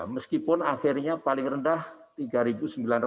meskipun akhirnya paling rendah rp tiga sembilan ratus tiga puluh tujuh